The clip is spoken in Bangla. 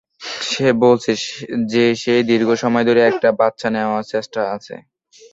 সে বলেছে যে সে দীর্ঘ সময় ধরে একটা বাচ্চা নেওয়ার চেষ্টায় আছে।